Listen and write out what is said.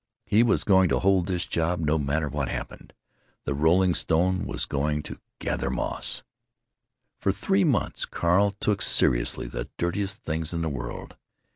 He was going to hold this job, no matter what happened. The rolling stone was going to gather moss. For three months Carl took seriously the dirtiest things in the world.